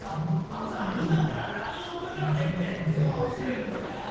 「あのさ今からＬＩＮＥ送るからね」って電話をする。